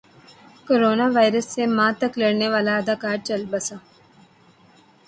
corona virus سے ماہ تک لڑنے والا اداکار چل بسا